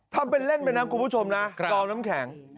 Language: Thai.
ทำเป็นเล่นไปนะคุณผู้ชมนะดอมน้ำแข็ง